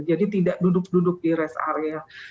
jadi tidak duduk duduk di rest area